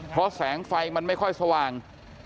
เพราะแสงไฟมันไม่ค่อยสว่าง